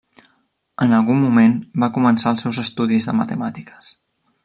En algun moment va començar els seus estudis de matemàtiques.